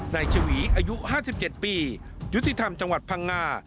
ในชีวีอายุห้าสิบเจ็ดปียุธิธรรมจังหวัดพังงา